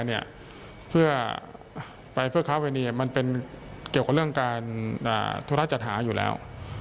ไปเพื่อค้าเวณีมันเป็นเกี่ยวกับเรื่องการทุราชจัดหาอยู่แล้ว